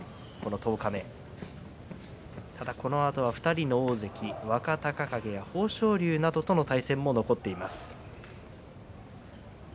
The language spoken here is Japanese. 十日目、このあと２人の大関若隆景や豊昇龍などとの対戦も残っています。